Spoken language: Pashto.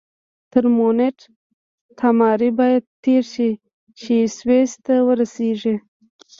تر مونټ تاماري باید تېر شئ چې سویس ته ورسیږئ.